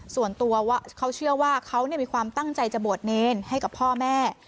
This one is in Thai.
ส่วนตัวเขาเชื่อว่าเขามีความตั้งใจจะบวชเนรให้กับพ่อแม่